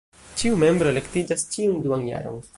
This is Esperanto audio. Ĉiu membro elektiĝas ĉiun duan jaron.